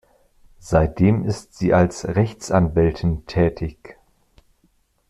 Seitdem ist sie als Rechtsanwältin tätig.